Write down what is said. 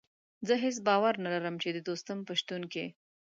زه هېڅ باور نه لرم چې د دوستم په شتون کې.